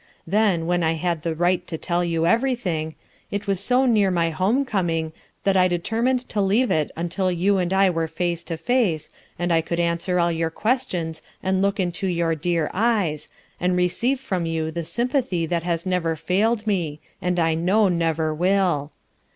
Then, when I had the right to tell you everything, it was bo near my homecoming that I determined to leave it until you and I were face to face, and I could answer all your questions and look into your dear eyes and receive from you the sym pathy that has never failed me and I know never will.